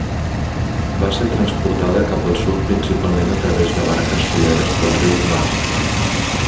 Va ser transportada cap al sud principalment a través de barques soleres pel riu Váh.